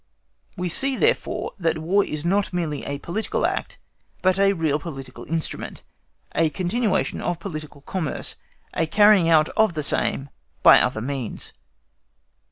We see, therefore, that War is not merely a political act, but also a real political instrument, a continuation of political commerce, a carrying out of the same by other means.